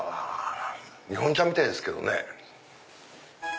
日本茶みたいですけどね。